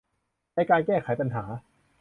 ในการแก้ไขปัญหา